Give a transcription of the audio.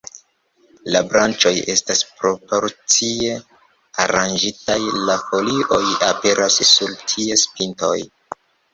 La branĉoj estas proporcie aranĝitaj, la folioj aperas sur ties pintoj.